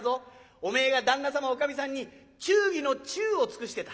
おめえが旦那様おかみさんに忠義の忠を尽くしてた。